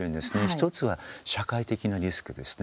１つは、社会的なリスクですね。